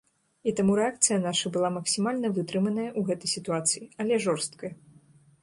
І таму рэакцыя наша была максімальна вытрыманая ў гэтай сітуацыі, але жорсткая.